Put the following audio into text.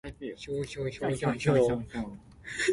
山猴想欲挽仙桃